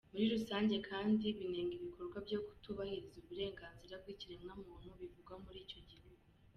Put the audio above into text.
Muri rusange kandi binenga ibikorwa byo kutubahiriza uburenganzira bw'ikiremwamuntu bivugwa muri icyo gihugu.